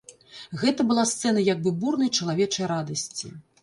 Гэта была сцэна як бы бурнай чалавечай радасці.